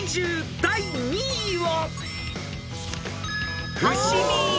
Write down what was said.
［第２位は］